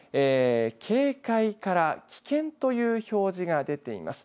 警戒から危険という表示が出ています。